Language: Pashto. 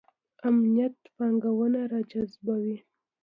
امنیت پانګونه راجذبوي